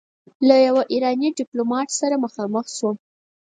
له يوه ايراني ډيپلومات سره مخامخ شوم.